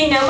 cho nó đỡ